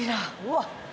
うわっ！